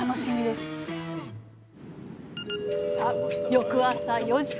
翌朝４時。